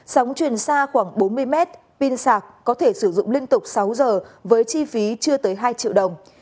sóng truyền xa khoảng bốn mươi mét pin sạc có thể sử dụng liên tục sáu giờ với chi phí chưa tới hai triệu đồng